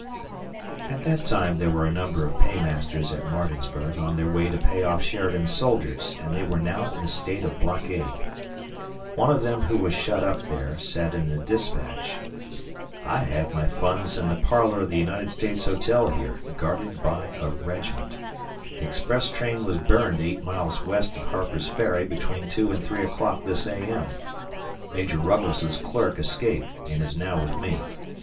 At that time there were a number of paymasters at Martinsburg on their way to pay off Sheridan's soldiers, and they were now in a state of blockade. One of them who was shut up there said in a dispatch: I have my funds in the parlor of the United States Hotel here, guarded by a regiment. The express train was burned eight miles west of Harper's Ferry between 2 and 3 o'clock this A.M. Major Ruggles' clerk escaped and is now with me.